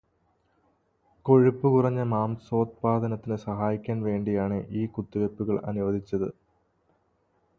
കൊഴുപ്പ് കുറഞ്ഞ മാംസോത്പാദനത്തിന് സഹായിക്കാൻ വേണ്ടിയാണ് ഈ കുത്തിവെയ്പ്പുകള് അനുവദിച്ചത്.